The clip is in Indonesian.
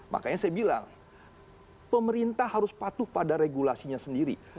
makanya saya bilang pemerintah harus patuh pada regulasinya sendiri